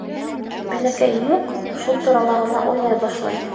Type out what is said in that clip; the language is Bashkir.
Бәләкәй Мук шул турала ғына уйлай башлай.